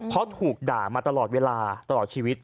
เพราะถูกด่ามาตลอดเวลาตลอดชีวิต